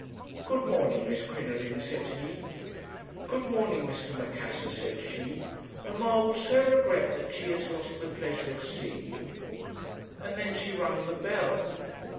"'Good morning, Miss Crinoline,' said he. "'Good morning, Mr. Macassar,' said she; 'mamma will so regret that she has lost the pleasure of seeing you.' "And then she rung the bell.